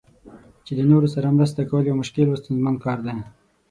چې د نورو سره مرسته کول یو مشکل او ستونزمن کار دی.